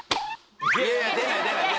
いやいや出ない出ない。